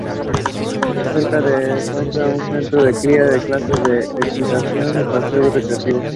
Cerca se encuentra un centro de cría con clases de equitación y paseos recreativos.